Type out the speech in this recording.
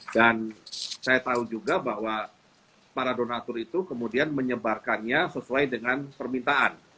dan saya tahu juga bahwa para donatur itu kemudian menyebarkannya sesuai dengan permintaan